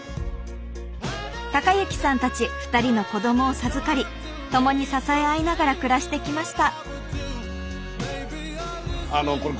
隆之さんたち２人の子どもを授かり共に支え合いながら暮らしてきました。